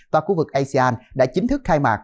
và khu vực asean đã chính thức khai mạc